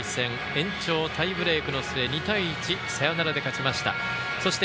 延長タイブレークの末、２対１サヨナラで勝ちました。